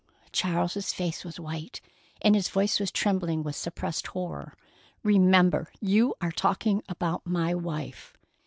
Charles's face was white, and his voice was trembling with suppressed horror. "Remember you are talking about my wife!"